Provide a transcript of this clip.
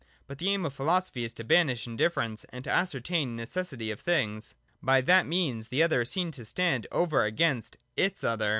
But the aim of philo sophy is to banish indifference, and to ascertain the neces sity of things. By that means the other is seen to stand over against its other.